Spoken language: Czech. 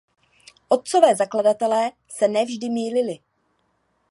Otcové zakladatelé se ne vždy mýlili.